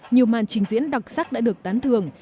nhiều màn trình diễn đặc sắc đã được tán thường